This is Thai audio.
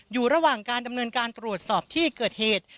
อยู่ระหว่างการดำเนินการตรวจสอบที่เกิดเหตุ